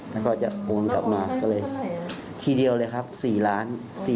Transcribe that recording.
แล้วก็จะโอนกลับมาก็เลยทีเดียวเลยครับ๔ล้าน